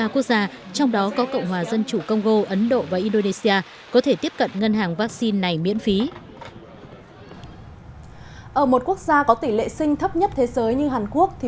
bảy mươi ba quốc gia trong đó có cộng hòa dân chủ congo ấn độ và indonesia có thể tiếp cận ngân hàng vaccine này miễn phí